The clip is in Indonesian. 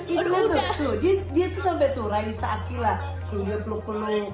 itu udah dia tuh sampai tuh raih saki lah sembilan puluh puluh